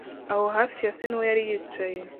Aho hafi ya se niho yari yicaye